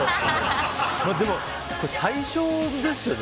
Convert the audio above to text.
でも、最初ですよね。